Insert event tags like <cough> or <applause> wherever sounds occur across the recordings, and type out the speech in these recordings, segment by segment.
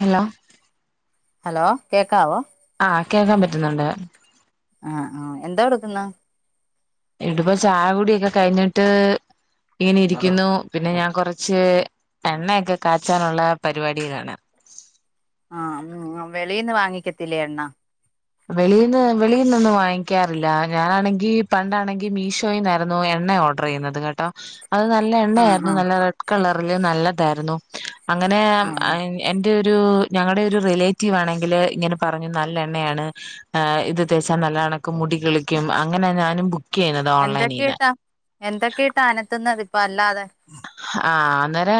Hello hello കേക്കാവോ? ആഹ് കേക്കാൻ പറ്റുന്നുണ്ട് ആഹ് ആഹ് എന്തോട്ക്ക്ന്ന്? ഇട്പ്പൊ ചായ കുടിയൊക്കെ കഴിഞ്ഞിട്ട് ഇങ്ങനെ ഇരിക്ക്യുന്നു പിന്നെ ഞാൻ കൊറച്ച് എണ്ണയൊക്കെ കാച്ചാനുള്ള പരിപാടിലാണ് ആഹ് ഉം വെളീയിന്ന് വാങ്ങിക്കത്തില്ലേ എണ്ണ വെളില്ന്ന് വെളീന്നൊന്നും വാങ്ങിക്ക്യാറില്ല ഞാനാണെങ്കി പണ്ടാണെങ്കി മീഷോയിന്നായിരുന്നു എണ്ണ ഓർ ഡറെയ്യുന്നത് കേട്ടോ അത് നല്ല ആ ആ എണ്ണയായിരുന്നു നല്ല റെഡ് കളറ്ല് നല്ലതായിരുന്നു അങ്ങനെ ആ അയിന് എൻ്റെയൊരു ഞങ്ങള്ടെ ഒരു റിലേറ്റീവാണെങ്കില് ഇങ്ങനെ പറഞ്ഞു നല്ല എണ്ണയാണ് ആഹ് ഇത് തേച്ചാ നല്ലതാണ് അന്ക്കും മുടി കിളിക്കും അങ്ങനെ ഞാനും ബു എന്തൊക്കെയിട്ടാ എന്തൊക്കെയിട്ടാ അനത്തുന്നത് ഇപ്പോ അല്ലാതെ ആഹ് അന്നേരാ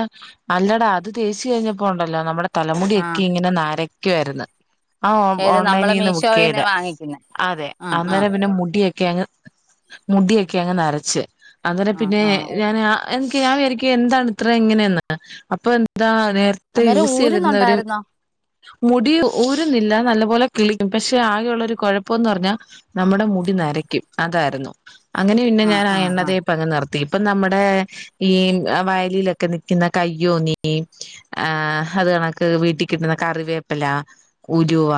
അല്ലടാ അത് തേച്ച് കഴിഞ്ഞപ്പോ ഉണ്ടല്ലോ നമ്മടെ ആ തലമുടിയൊക്കെ ഇങ്ങനെ നരക്ക്യുവാര്ന്ന് ആഹ് ഓ ഏത് നമ്മള് ഓൺലൈനീന്ന് മീഷോയിന്ന് ബുക്കെയ്തെ വാങ്ങിക്കുന്ന അതെ ആ ആ അന്നേരം പിന്നെ മുടിയ ക്കേയങ്ങ് മുടിയക്കേയങ്ങ് നരച്ച് അങ്ങനെ ആ പിന്നെ ആ ഞാനാ എ <unintelligible> ഞാൻ വിരായിക്കും എന്താണ് ഇത്ര ഇങ്ങനെയെന്ന് അപ്പൊ എന്താ നേര ത്തെ അന്നേരം യൂസെയ്തിരുന്നവരും ഊരുന്നുണ്ടായിരുന്നോ മുടി ഊരുന്നില്ല നല്ല പോലെ കിളിക്കും പക്ഷേ ആകെയുള്ളൊര് കൊഴപ്പന്ന് പറ്ഞ്ഞാ നമ്മടെ മുടി നരയ്ക്കും അതാരുന്നു അങ്ങനെ പിന്നെ ആ ഞാനാ ആ എണ്ണ ആ തേ പ്പങ്ങ് നിർത്തി ഇപ്പം നമ്മടെ ഈ ആഹ് വയലിലൊക്കെ നിക്ക്യുന്ന കയ്യോന്നി ആഹ് അത് കണക്ക് വീട്ടി കിട്ട്ന്ന കറുവേപ്പിലാ ഉലുവ,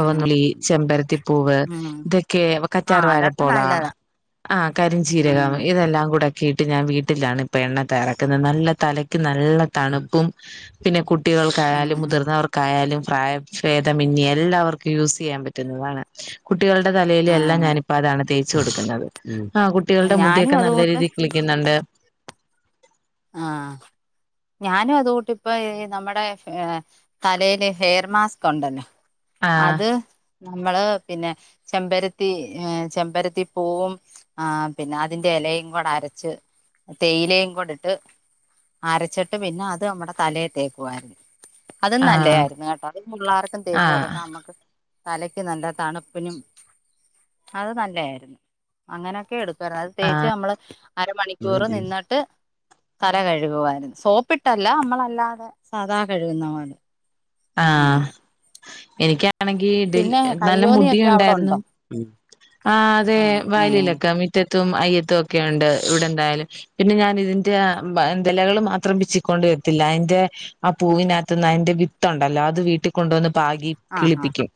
ഉം ചെമ്പരത്തിപ്പൂവ് ഉം ഇതൊക്കെ വ ആ കറ്റാർ അതൊക്കെ വാഴപോള നല്ലതാ ആഹ് ഉം കരിഞ്ചീരകം ഇതെല്ലാം കൂടെ ക്കീട്ട് ഞാൻ വീട്ടിലാണ് ഇപ്പൊ എണ്ണ തയ്യാറാക്ക്ന്നെ നല്ല തലയ്ക്ക് നല്ല തണ്പ്പും പിന്നെ ഉം കുട്ടികൾക്കായാലും ഉം മുതിർന്നവർ ക്കായാലും പ്രായഫേദമന്യേ എല്ലാവർക്കും യൂസെയ്യാൻ പറ്റുന്നതാണ് കുട്ടികളുടെ ആ തലയിലെല്ലാം ഞാനിപ്പ അതാണ് തേച്ച് കൊടുക്കുന്നത്. ആഹ് കുട്ടികളുടെ ഞാനും മുടിയൊക്കെ നല്ല അതുകൂട്ട് രീതിയിൽ കിളിക്കുന്നുണ്ട്. ആഹ് ഞാനും അതുകൂട്ട് ഇപ്പോ നമ്മുടെ ഏഹ് തലയില് ഹെയർ മാസ്ക് ഉണ്ടല്ലോ ആഹ് അത് നമ്മള് പിന്നെ ചെമ്പരത്തി ഏഹ് ചെമ്പരത്തി പോവും ആഹ് പിന്നെ അതിന്റെ എലയും കൂടെ അരച്ച് തേയിലയും കൂടെയി ട്ട് അരച്ചിട്ട് പിന്നെ അത് നമ്മടെ തലേ തേക്കുവായിരുന്ന്. അതും ആഹ് നല്ലതായിരുന്നു കേട്ടാ അത് പുള്ളാർക്കും തേച്ചു കൊടുക്കാ നമ്മക്കും തലക്ക് നല്ല തണുപ്പിനും അത് നല്ലതായിരുന്ന് അങ്ങനൊക്കെടു <unintelligible> അത് കുറേ തേച്ച് നമ്മള് അരമണിക്കൂറ് ആഹ് നിന്നട്ട് തല കഴുകുവായിരുന്നു സോപ്പിട്ടല്ല നമ്മളല്ലാതെ സാധാ കഴുകുന്ന പോലെ. ഉം ആഹ് എനിക്കാ എനിക്കാണെങ്കി പിന്നെ <unintelligible> നല്ല കയ്യോന്നിയൊക്കെ അവിടെ മുടിയുണ്ടായിരുന്നു, ഉണ്ടോ ആഹ് അതെ ആ ആ വയലിലൊക്കെ മി റ്റത്തും അയ്യത്തും ഒക്കെ ഉണ്ട് ഇവിടെ എന്തായാലും. പിന്നെ ഞാൻ ഇതിൻ്റെ എന്ത്‌ ഇലകള് മാത്രം പിച്ചിക്കൊണ്ട് വരുത്തില്ല അതിൻ്റെ ആ പൂവിനകത്തന്ന് അതിന്റെ വിത്തുണ്ടല്ലോ അത് വീട്ടിൽ കൊണ്ടുവന്ന് പാകി കിളിപ്പിക്കും.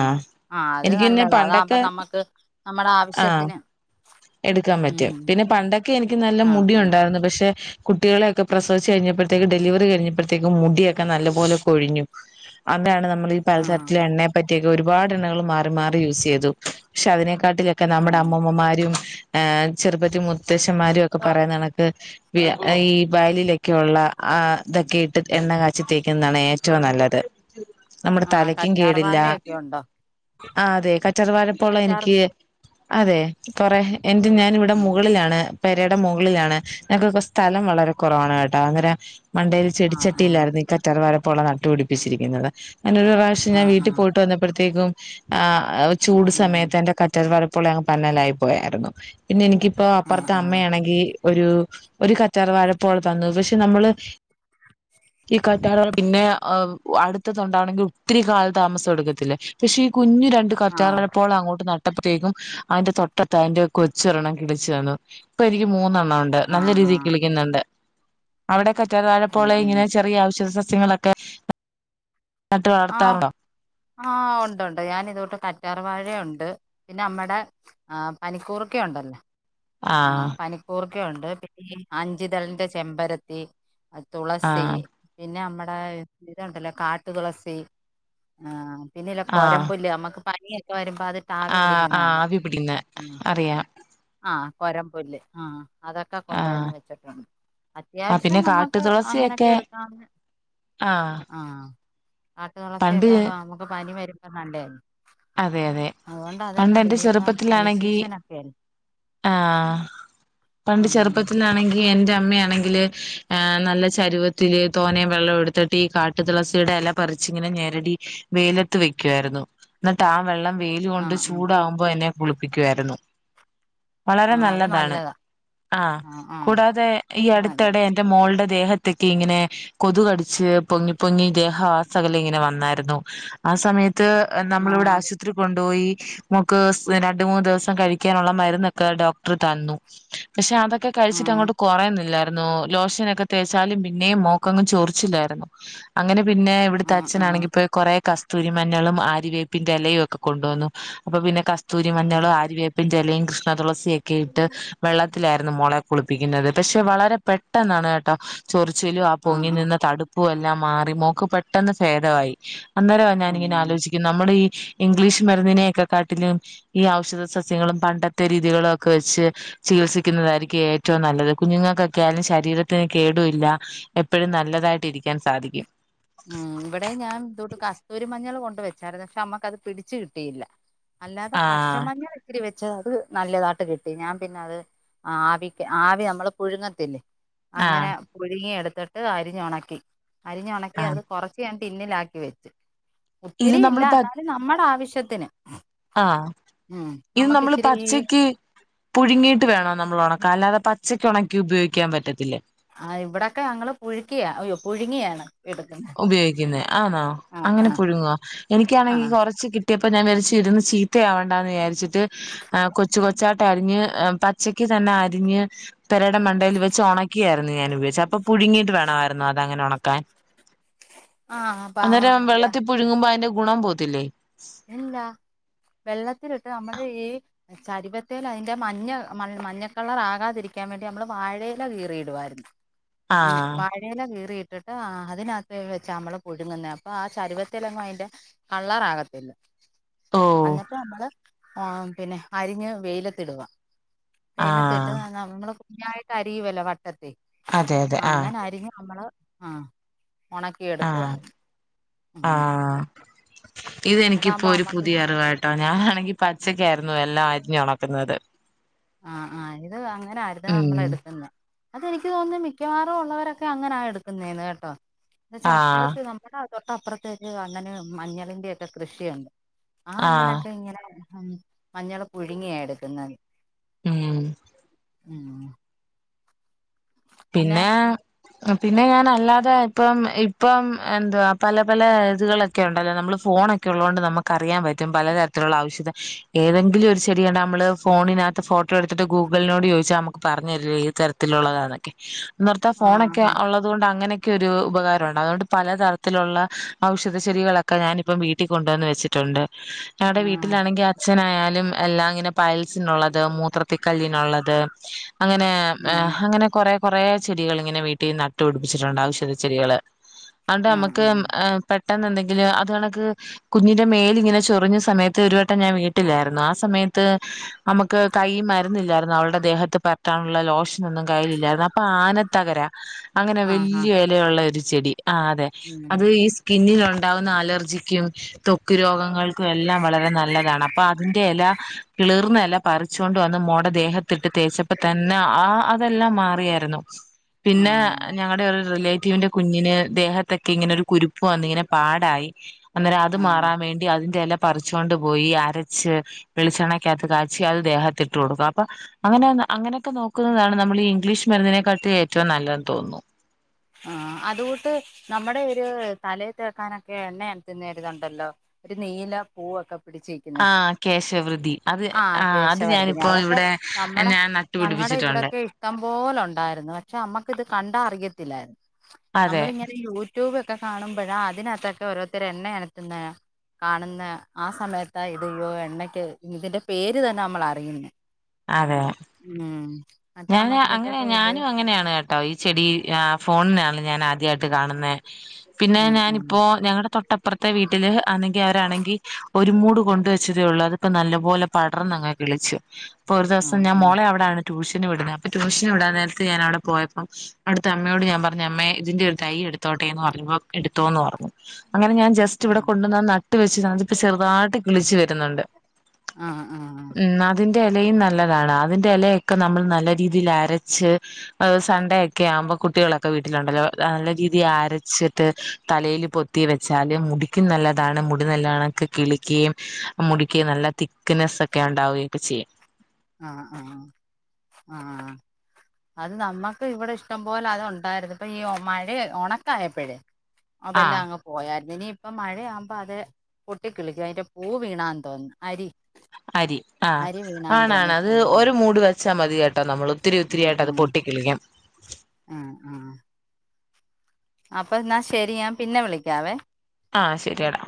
ആഹ് ആഹ് അത് എനിക്ക് പിന്നെ നല്ലതാ അതാകുമ്പം പണ്ടൊക്കെ നമ്മക്ക് നമ്മുടെ ആഹ് ആവശ്യത്തിന് എടുക്കാൻ പറ്റും, ഉം പിന്നെ പണ്ടൊക്കെ എനിക്ക് നല്ല ആ മുടി ഉണ്ടായിരുന്നു പക്ഷേ കുട്ടികളെയൊക്കെ പ്രസവിച്ച് കഴിഞ്ഞപ്പോഴത്തേക്ക് ഡെലിവറി കഴിഞ്ഞപ്പോഴേക്കും മുടിയൊക്കെ നല്ല പോലെ കൊഴിഞ്ഞു അതാണ് നമ്മൾ ഈ ആ പലതരത്തിലെ എണ്ണയെ പ റ്റിയൊക്കെ ഒരുപാട് എണ്ണകൾ മാറി മാറി യൂസ് ചെയ്തു പഷേ അതിനെക്കാട്ടിലൊക്കെ ആ നമ്മടെ അമ്മുമ്മമാരും ആഹ് ചെറുപ്പത്തി മുത്തശ്ശന്മാരു ഒക്കെ പറയുന്നണക്ക് വി ഈ വയലിലൊക്കെ ഉള്ള ആഹ് ഇതൊക്കെ ഇട്ട് എണ്ണ കാച്ചിത്തേ ക്കുന്നാണ് ഏറ്റവും നല്ലത് നമ്മടെ ആ തലക്കും കറ്റാർ കേടില്ലാ വാഴയൊക്കെ ഉണ്ടോ ആഹ് അതെ കറ്റാർവാഴപ്പോള കറ്റാർ എനിക്ക് അതെ കൊറെ എന്റെ ഞാൻ ഇവിടെ ആ മുകളിലാണ് പെരേടെ മുകളിലാണ് ഞങ്ങക്കൊക്കെ സ്ഥലം വളരെ കുറവാണ് ട്ടോ അങ്ങനെ മണ്ടേല് ആ ചെടിച്ചട്ടിയിലായിരുന്നു ഈ കറ്റർവാഴ പോള നട്ടു പിടിപ്പിച്ചിരിക്കുന്നത് ഞാനൊരു പ്രാ വശ്യം ആ ഞാൻ ആ വീട്ടി പോയിട്ട് വന്നപ്പോഴത്തേക്കും ആഹ് ഒരു ചൂട് ഉം സമയത്തെന്റെ ക റ്റാർവാഴപോള അങ്ങ് പന്നലായി പോയായിരുന്നു പിന്നെ എനിക്കിപ്പോ ആ അപ്പുറത്തെ ആ അമ്മയാണെങ്കി ഒരു ഒരു കറ്റാർവാഴ പോള തന്നു പക്ഷേ നമ്മള് <inaudible> ഈ കറ്റാർവാഴ പിന്നെ ആഹ് ഉ അടുത്തതുണ്ടാവണെങ്കിൽ ഒത്തിരി കാലതാമസം എടുക്കത്തില്ലേ പക്ഷേ ഈ കുഞ്ഞു രണ്ട് ആ കറ്റാർവാഴപോള അങ്ങോട്ട് ന ട്ടപ്പത്തേക്കും അതിന്റെ തൊട്ടത്ത് അതിന്റെ കൊച്ച് ഒരെണ്ണം കിളിച്ചു വന്നു ഇപ്പോ എനിക്ക് മൂന്നെണ്ണ ണ്ട് ആ നല്ല ആ രീതിയിൽ കിളിക്കുന്നുണ്ട് അവിടെ ഉം കാറ്റർവാഴപോള ഉം ഇങ്ങനെ ചെറിയ ഔ ഷധ സസ്യങ്ങളൊക്കെ നനട്ട് വളർത്താറുണ്ടോ? ആഹ് ഒണ്ട് ഒണ്ട് ഞാൻ ഇതോട്ട് കറ്റാർവാഴയുണ്ട് പിന്നെ അമ്മടെ ആഹ് പനിക്കൂർക്ക ഉണ്ടല്ലോ ആഹ് പനിക്കൂർക്ക ഉണ്ട് പിന്നെ അഞ്ചിതളിന്റെ ചെമ്പരത്തി തുളസി ആഹ് പിന്നെ അമ്മടെ ഇതുണ്ടല്ലോ കാട്ടു തുളസി? ആഹ് പിന്നില്ലേ ആഹ് കൊരമ്പുല്ല് നമ്മക്ക് പനിയൊക്കെ വരുമ്പോ അത് ആഹ് ആവി ആഹ് പിടിക്കുന്ന നല്ലാ ആവി പിടിക്കുന്നെ അറിയാം ആഹ് കൊരംമ്പുല്ല് ആഹ് അതൊക്കെ ആഹ് കൊണ്ടന്ന് വെച്ചിട്ടുണ്ട് ആ അത്യാവശ്യം പിന്നെ കാട്ടു നമ്മക്ക് അങ്ങനൊക്കെ തുളസിയൊക്കെ എടുക്കാന് ആഹ് ആഹ് കാട്ട് പണ്ട് തുളസിയൊക്കെ നമ്മക്ക് പനി വരുമ്പോ നല്ലേയല്ലേ അതെ അതെ അതുകൊണ്ട് പണ്ട് അതെല്ലാം എന്റെ ചെറുപ്പത്തിലാണെങ്കി <unintelligible> ആഹ് പണ്ട് ഉം ഉം. ചെറുപ്പത്തിലാണെ ങ്കി എന്റെ അമ്മയാണെങ്കില് നല്ല ചെരുവത്തില് തോനെ വെള്ളം എടുത്തിട്ടീ കാ ട്ട് തുളസിയുടെ എല പറിച്ചിങ്ങനെ ഞെരടി വേയിലത്ത് വെക്കുവായിരുന്നു. ന്നിട്ട് ആ വെള്ളം ആ വെയിലുകൊണ്ട് ഉം ചൂടാകുമ്പോ എന്നെ കുളിപ്പിക്കു വായിരുന്നു വളരെ ആ നല്ല അത് താണ് നല്ലതാ ആഹ് ആ ആ കൂടാതെ ഈ അത് നല്ലതാ അടുത്തിടെ ന്റെ മോളുടെ ദേഹത്തൊക്കെ ഇങ്ങനെ കൊതുകടിച്ച് പൊങ്ങി പൊങ്ങി ദേഹാസകല ഇങ്ങനെ വന്നായിരുന്നു ആഹ് സമയത്ത് എ ആ നമ്മളിവ്ടെ അശുത്രി കൊണ്ടുപോയി മോക്ക് സ് രണ്ട് മൂന്ന് ദിവസം കഴിക്കാനുള്ള മര്ന്നൊക്കെ ഡോക്ടർ തന്നു പക്ഷെ അതൊക്കെ കഴിച്ചിട്ട് ആ അങ്ങോട്ട് കൊറേയുന്നില്ല രുന്നു ലോഷനൊക്കെ തേച്ചാലും പിന്നേം മോൾക്കങ്ങു ചൊറിച്ചിലായിരുന്നു അങ്ങനെ പിന്നെ ഇവിടുത്തെ ആഹ് ആഹ് അച്ഛനാണെങ്കി പോയ് കൊറേ കസ്തൂരി മഞ്ഞളും ആരിവേപ്പിന്റെ എലയും ഒക്കെ കൊണ്ടുവന്നു അപ്പൊ പിന്നെ കസ് ആഹ് തൂരിമഞ്ഞളും ആരിവേപ്പിന്റെ എലയും കൃഷ്ണതുളസിയൊക്കെ ഇട്ട് വെള്ളത്തിലായിരുന്നു മോളെ കുളിപ്പിക്കുന്നത് പക്ഷെ വളരെ പെട്ടെന്നാണ് കേട്ടോ ചൊറിച്ചിലും ആഹ് പൊങ്ങി നിന്ന തടുപ്പും എല്ലാ മാറി മോക്ക് പെട്ടെന്ന് ഭേദവായി അന്നേരവാ ഞാനിങ്ങനെ ഉം ആലോചിക്കുന്ന നമ്മടെ ഈ ഇംഗ്ലീഷ് മരുന്നിനെക്കെകാട്ടിലും ഈ ഔഷധ സസ്യ സ്യങ്ങളും പണ്ടത്തെ രീതികളൊക്കെ വെച്ച് ചികിത്സിക്കുന്നതായിരിക്കും ഏറ്റവും നല്ലത് കുഞ്ഞുങ്ങൾക്കൊക്കെയായാലും ശരീരത്തിന് കേടുല്ല എപ്പോഴും നല്ലതായിട്ട് ഇരിക്കാൻ സാധിക്കും ഉം ഇവിടെ ഞാൻ ഇതോട്ട് കസ്തൂരി മഞ്ഞള് കൊണ്ട് വെച്ചായിരുന്നു പക്ഷെ നമ്മക്ക് അത് പിടിച്ച് കിട്ടിയില്ല അല്ലാതെ ആഹ് പച്ചമഞ്ഞള് ഇത്തിരി വെച്ച് അത് നല്ലതായിട്ട് കിട്ടി ഞാൻ പിന്നെ അത് ആവിക്ക് ആവി നമ്മള് പുഴുങ്ങത്തില്ലേ അങ്ങനെ ആഹ് പുഴുങ്ങി എടുത്തിട്ട് അരിഞ്ഞുണക്കി അരിഞ്ഞുണക്കി ആഹ് അത് കുറച് ച്ച് ഞാൻ ടിന്നിലാക്കി വെച്ച് ഇത് ഒത്തിരി ഇല്ല നമ്മള് പ എന്നാലും നമ്മുടെ ആവശ്യത്തിന് ആഹ് ഉം ഇത് നമുക്ക് നമ്മള് ഇച്ചിരി ഈ പച്ചക്ക് പുഴുങ്ങിട്ട് വേണോ നമ്മൾ ഉണക്കാൻ അല്ലാതെ പച്ചക്ക് ഉണക്കി ഉപയോഗിക്കാൻ പറ്റത്തില്ലേ ആഹ് ഇവിടെക്കെ ഞങ്ങള് പുഴുക്കിയ അയ്യോ പുഴുങ്ങിയാണ് എടുക്കുന്നത് ഉപയോഗിക്കുന്നെ ആണോ ആഹ് അങ്ങനെ ആഹ് പുഴുങ്ങോ എനിക്കാണെങ്കിൽ കൊറച്ച് കിട് ട്ടിയപ്പ ഞാൻ ചിരന്ന് ഇരുന്ന് ചീത്തയാവണ്ടന്ന് വിചാരിച്ചിട്ട് ആഹ് കൊച്ചു കൊച്ചായിട്ടരിഞ്ഞ് പച്ചക്ക് തന്നെ അരിഞ്ഞ് പെരയുടെ മണ്ടയിൽ വെച്ച് ഉണക്കിയായിരുന്നു ഞാൻ ഉപോഗിച്ചെ അപ്പൊ പുഴുങ്ങീട്ട് വേണായിരുന്നോ അതങ്ങനെ ഒണക്കാൻ ആഹ് അന്നേരം ആഹ് വെള്ളത്തിൽ പുഴങ്ങുമ്പോ അതിന്റെ ഗുണം പോത്തില്ലേ ഇല്ലാ വെള്ളത്തിലിട്ട് നമ്മള് ഈ ചരിവത്തെലതിന്റെ മഞ്ഞ മ മഞ്ഞക്കളറാകാതിരിക്കാൻ വേണ്ടി നമ്മള് വാഴയില കീറിയിടുവായിരുന്ന് ഉം ആഹ് വാഴ് ഴ എല കീറിട്ടിട്ട് ആ അതിനകത്ത് വെച്ച നമ്മള് പുഴങ്ങുന്നേ അപ്പൊ ആ ചരുവത്തെലങ്ങും അയിന്റ കള്ളറാകത്തില്ല ഓ അന്നിട്ട് നമ്മള് ആ പിന്നെ അരിഞ്ഞ് വെയിലത്തിടുവാ വെയിലത്തിട്ട് ആഹ് നമ്മള് കുഞ്ഞായിട്ട് അരിയുവല്ലോ വട്ടത്തി ത്തി അതെ അതെ ആഹ് അങ്ങനെ അരിഞ്ഞമ്മള് ആഹ് ഒണ ആഹ് ആഹ് ഇതെനിക്കിപ്പോ അതാകുമ്പോ ഒരു നമ്മക്ക് പുതിയ അറിവാ ട്ടാണ് ഞാനാണെങ്കിൽ പച്ചക്കായിരുന്നു എല്ലാം അരിഞ്ഞൊണക്കുന്നത് ആഹ് ആഹ് ഇത് അങ്ങന ആയിരുന്നു ഉം നമ്മളെടുക്കുന്നെ അതെനിക്ക് തോന്ന്ന്ന് മിക്കവാറും ഉള്ളവരൊക്കെ അങ്ങനാ എടുക്കുന്നേന്ന് കേട്ടോ എന്നച്ചാ ആഹ് അപ്പുറത്ത് അങ്ങനെ തൊട്ടപ്പുറത്തേക്ക് അണ്ണന് മഞ്ഞളിന്റൊക്കെ കൃഷിയുണ്ട് ആ ആഹ് അണ്ണനൊക്കെ ഇങ്ങനെ ഉം മഞ്ഞള് പുഴുങ്ങിയാ എടുക്കുന്നത് ഉം ഉം പിന്നെ പിന്നേ പിന്നെ ഞാനല്ലാതെ ഇപ്പം ഇപ്പം എന്ത്‌വാ പല പല ഇതുകളൊക്കെണ്ടല്ലോ നമ്മള് ഫോണൊക് ക്കെ ഒള്ളോണ്ട് നമുക്ക്റിയാൻ പറ്റും പല തരത്തിലുള്ള ഔഷധ ഏതെങ്കിലും ഒരു ചെടികണ്ട നമ്മള് ഫോണിനത്ത് ഫോട് ട്ടോ എടുത്തിട്ട് ഗൂഗിളിനോട് ചോദിച്ചാ നമുക്ക് പറഞ്ഞു തരില്ലെ ഏത് തരത്തിലുള്ളതാണൊക്കെ ഒന്നോർത്താ ആഹ് ഫോണൊക്കെ ഹാ ഉള്ള തുകൊണ്ട് അങ്ങനെയൊക്കെ ഒരു ഉപകാരോണ്ട് അതുകൊണ്ട് പല തരത്തിലുള്ള ഔഷധ ചെടികളൊക്കെ ഞാനിപ്പം വീട്ടിൽകൊണ്ടുവന്ന് വെച്ചിട് ണ്ട് ഞങ്ങളടെ ആഹ് വീട്ടിലാണെങ്കിൽ അച്ഛനായാലും എല്ലാം ഇങ്ങനെ പയൽസിന്ള്ളത് മൂ ത്ര ത്തിക്കല്ലിനുള്ളത് അങ്ങനെ ഉം അങ്ങനെ കുറെ കൊറേ ചെടികൾ ഇങ്ങനെ വീട്ടിൽ നട്ടുപടിപ്പിച്ചിട്ടുണ്ട് ഔഷധ ചെടികള് അതുകൊണ്ട് ആഹ് നമ്മക്ക് ആഹ് ഏ പെട്ടെന്ന് എന്തെങ്കിലും അതണക്ക് കുഞ്ഞിന്റെ മേലിങ്ങനെ ചൊറിഞ്ഞ സമയത്ത് ഒരുവട്ടം ഞാൻ വീട്ടിലായിരുന്നു ആ സമയ ത്ത് നമുക്ക് കൈ മരുന്നില്ലായിരുന്നു അവളുടെ ദേഹത്ത് പെര്റ്റാനുള്ള ലോഷനൊന്നും കയ്യിലില്ലായിരുന്നു അ തകര അങ്ങനെ ആഹ് ഹാ വലിയ എലയുള്ള ഒരു ചെടി ആ അതെ ഉം അത് ഈ സ്കിന്നിൽ ഉണ്ടാവുന്ന അലർജിക്കും തൊക്കു രോഗങ്ങൾ എല്ലാം വളരെ നല്ലതാണ് അപ്പ അതിന്റെ എല കിളർന്നല പറിച്ചൊണ്ട് വന്ന് മോൾ ട ദേഹത്തിട്ട് തേച്ചപ്പോ തന്നെ ആ അതെല്ലാം മാറിയായിരുന്നു പിന്നെ ആഹ് ഞങ്ങടെ ഒരു റിലേറ്റ് റ്റീവിന്റെ കുഞ്ഞിന് ദേഹത്തൊക്കെ ഇങ്ങനെ ഒരു കുരുപ്പു വന്ന് ഇങ്ങനെ പാടായി അന്നേരം അത് ആഹ് മാറാൻ വേണ്ടി അതിന്റെ എല പറിചോണ്ട് പോയി അരച്ച് വെളിച്ചണ്ണകത് കാച്ചി അത്ദേഹത്തി ഇട്ടു കൊടുക്കും അപ്പ അങ്ങനെ അങ്ങനെയൊക്കെ നോക്കുന്നതാണ് നമ്മൾ ഈ ഇംഗ്ലീഷ് മരുന്നിനെക്കാട്ടി ഏറ്റവും നല്ലന്ന് തോന്നുന്നു ആ അതുകൂട്ട് നമ്മുടെ ഒരു തലൽ തേക്കാനൊക്കെ എണ്ണയനക് ന്നരുത് ണ്ടല്ലോ ഒരു നീല പൂവൊക്കെ പിടിച് ആ കേശവൃതി അത് ആ അത് കേശവർധിന ഞാനിപ്പോ അതൊക്കെ ഇവിടെ നമ്മടെ ഞാൻ ഞങ്ങളുടെ നട്ടുപിടിപ്പിച്ചിട്ടുണ്ട് ഇവിടൊക്കെ ടം പോലെ ഉണ്ടാർന്നു പക്ഷെ നമ്മക്ക് ഇത് കണ്ട അറിയത്തില്ലായിരുന്നു അതെ നമ്മളിങ്ങനെ യൂ യൂട്യൂബൊക്കെ കാണുമ്പഴാ അതിനകത്തൊക്കെ ഓരോത്തര് എണ്ണ എനത്തുന്നെ കാണുന്ന ആഹ് സമയത്ത ഇതയ്യോ എണ്ണക്ക് ഇതിന്റെ പേര് തന്നെ നമ്മളറിയുന്നെ അതെ ഉം ഹ് ഞാൻ അങ്ങനെ ഞാനും അങ്ങനെയാണ് കേട്ടോ ഈ ചെടി ആഹ് ഫോണിനാണ് ഞാൻ ആദ്യം ദ്യായിട്ട് കാണുന്നേ പിന്നെ ആ ആ ഞാനിപ്പോ ഞങ്ങടെ തൊട്ടപ്പുറത്തെ വീട്ടില് അന്നെങ്കി അവരാണെങ്കി ഒരു മൂട് കൊണ്ടുവെച്ചതേ ഉള്ളൂ അതിപ്പോ നല്ല പോലെ പടർന്നങ്ങ് കിളിച്ച് ഇപ്പൊ ഒരു ആ ദെവസം ഞാൻ ആ മോളെ അവിടാണ് ട്യൂഷൻ വിടണെ അപ്പൊ ടൂഷൻവിടാനേരത്ത് ഞനവിടെ പോയപ്പോ അടുത്തെ അമ്മയോട് ഞാ പറഞ്ഞമ്മെ ഇതിന്റെ ഒരു തൈ എടുത്തോട്ടെന്ന് പറഞ്ഞപ്പോ എടുത്തോന്ന് പറഞ്ഞു അങ്ങനെ ഞാൻ ജസ് സ്റ്റ് ഇവിടെ കൊണ്ടന്ന നട്ട് വെച്ച് അതിപ്പ ചെറുതായിട്ട് കിളിച്ച് വെരുന്നുണ്ട് അഹ് ആഹ് അതിന്റെ എലയും നല്ലതാണ് അതിന്റെ എലയൊക്കെ ക്കെ നമ്മൾ നല്ല രീതിയിൽ അരച്ച് സണ്ടേക്കെ ആവുമ്പോ കുട്ടികളൊക്കെ വീട്ടിലുണ്ടല്ലോ നല്ല രീ തി അരച്ച് ത്ത് തലേല് പൊത്തി വെച്ചാല് മുടിക്കും നല്ലതാണ് മുടി നല്ലണക്ക് കിളിക്കെയും മുടിക്ക് നല്ല തിക്നെസ്സൊക്കെ ഉണ്ടാവുകയൊക്കെ ചെയ്യും ആഹ് ആഹ്ആഹ് അത് നമ്മക്ക് ഇവിടെ ഇഷ്ടം പോലെ അത് ഒണ്ടായിരുന്നു ഇപ്പൊ ഈ മഴയെ ഒണക്കായപ്പഴേ അതെല്ലാം ആഹ് അങ്ങ് പോയായിരുന്നിനി ഇപ്പം മഴയാകുമ്പോ അത് പൊട്ടിക്കിളിക്കും അതിന്റെ പൂ വീണാന്ന് തോന്ന് അരി അരി ആഹ് അരി ആ വീണാന്ന് തോന്നുന്നു ാണത് ഇഷ്ടം പോലെ ഒരു മൂട് വെച്ചാ മതി കേട്ടോ നമ്മൾ ഒത്തിരി ഒത്തിരിയായിട്ടത് പൊട്ടിക്കിളിക്കും ആഹ് ആഹ് അപ്പൊന്നാ ശെരി ഞാ പിന്നെ വിളിക്കാവേ ആഹ് ശെരിയെടാ